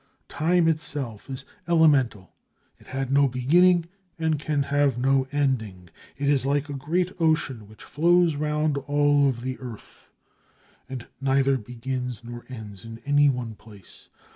Time itself is elemental; it had no beginning, it can have no ending. It is like a great ocean which flows round all of the earth, and neither begins nor ends in any one place.